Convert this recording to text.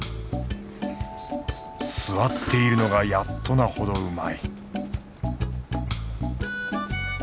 座っているのがやっとなほどうまい